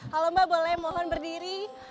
halo mbak boleh mohon berdiri